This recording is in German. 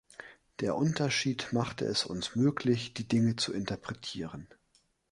Der Unterschied macht es uns möglich, die Dinge zu interpretieren.